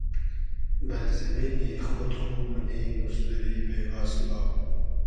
بئل زیمینی خۉد خو مونی موزدوری بېگا سوبا